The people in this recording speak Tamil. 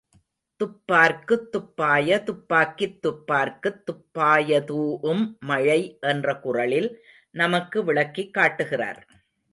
துப்பார்க்குத் துப்பாய துப்பாக்கித் துப்பார்க்குத் துப்பா யதூஉம் மழை, —என்ற குறளில் நமக்கு விளக்கிக் காட்டுகிறார்.